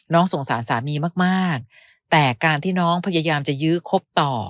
สงสารสามีมากแต่การที่น้องพยายามจะยื้อคบต่อ